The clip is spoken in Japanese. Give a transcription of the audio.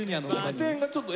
得点がちょっと。